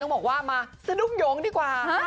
ต้องบอกว่ามาสนุกยงดีกว่า